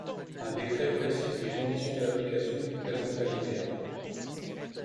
Un décret précise les conditions d’application du présent alinéa.